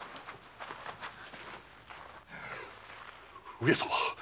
上様。